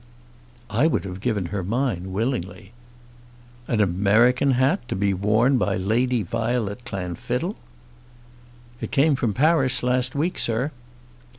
"I would have given her mine willingly." "An American hat; to be worn by Lady Violet Clanfiddle!" "It came from Paris last week, sir."